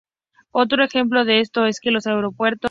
Otro ejemplo de esto es en los aeropuertos.